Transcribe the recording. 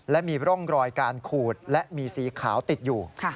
และมีร่องรอยการขูดและมีสีขาวติดอยู่